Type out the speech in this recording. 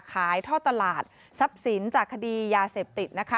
ขายท่อตลาดทรัพย์สินจากคดียาเสพติดนะคะ